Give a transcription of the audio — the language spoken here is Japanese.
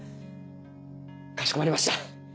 かしこまりました。